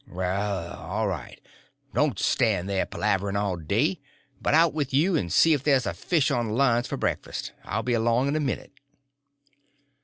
"Well, all right. Don't stand there palavering all day, but out with you and see if there's a fish on the lines for breakfast. I'll be along in a minute."